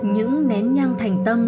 những nén nhang thành tâm